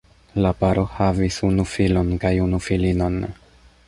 La paro havis unu filon kaj unu filinon.